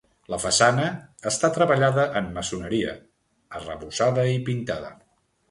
La façana està treballada en maçoneria, arrebossada i pintada.